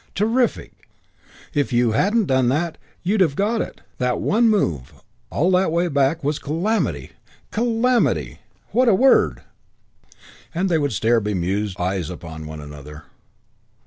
"Terrific. If you hadn't done that you'd have got it. That one move, all that way back, was calamity. Calamity! What a word!" And they would stare bemused eyes upon one another.